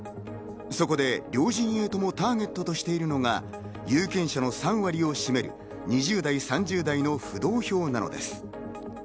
そこで両陣営ともターゲットとしているのが有権者の３割を占める２０代、３０代の浮動票なのです。